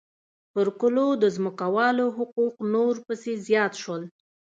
پر کلو د ځمکوالو حقوق نور پسې زیات شول